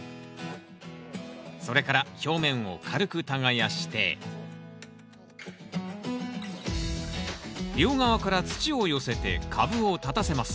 それから表面を軽く耕して両側から土を寄せて株を立たせます